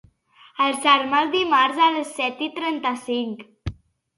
Alçar-me el dimarts a les set i trenta-cinc.